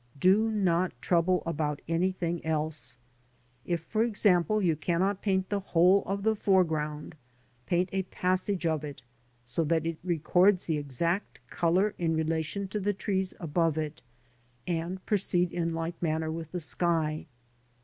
Do not trouble about anything else. If for example you cannot paint the whole of the foreground, paint a passage of it, so that it records the exact colour in relation to the trees above it; and pro ceed in like manner with the sky.